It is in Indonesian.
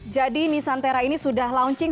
jadi nissan terra ini sudah launching